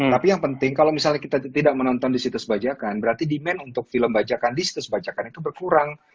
tapi yang penting kalau misalnya kita tidak menonton di situs bajakan berarti demand untuk film bajakan di situs bajakan itu berkurang